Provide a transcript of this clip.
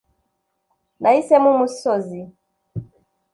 nahisemo umusozi